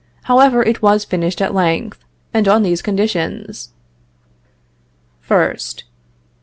However, it was finished at length, and on these conditions: First.